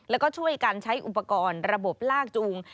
แล้วก็ช่วยกันใช้อุปกรณ์ระบบลากจูง